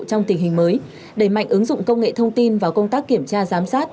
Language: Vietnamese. trong tình hình mới đẩy mạnh ứng dụng công nghệ thông tin vào công tác kiểm tra giám sát